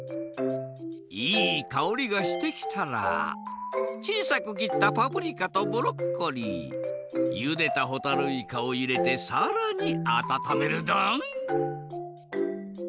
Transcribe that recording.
いいかおりがしてきたらちいさく切ったパプリカとブロッコリーゆでたほたるいかをいれてさらにあたためるドン。